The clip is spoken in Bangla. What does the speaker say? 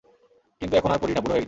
কিন্তু এখন আর পরি না, বুড়ো হয়ে গেছি।